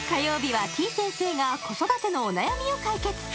はてぃ先生が子育てのお悩みを解決